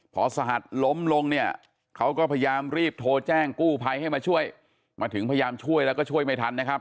พอสหัสล้มลงเนี่ยเขาก็พยายามรีบโทรแจ้งกู้ภัยให้มาช่วยมาถึงพยายามช่วยแล้วก็ช่วยไม่ทันนะครับ